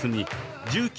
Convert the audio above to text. １９